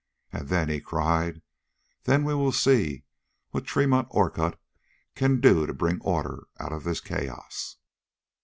"And then," he cried, "then we will see what Tremont Orcutt can do to bring order out of this chaos."